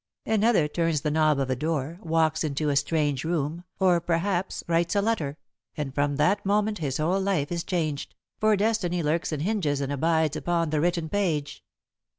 Another turns the knob of a door, walks into a strange room, or, perhaps, writes a letter, and from that moment his whole life is changed, for destiny lurks in hinges and abides upon the written page.